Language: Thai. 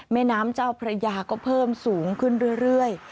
แม่น้ำเจ้าพระยาก็เพิ่มสูงขึ้นเรื่อย